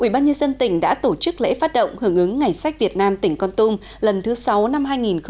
ubnd tỉnh đã tổ chức lễ phát động hưởng ứng ngày sách việt nam tỉnh con tung lần thứ sáu năm hai nghìn một mươi chín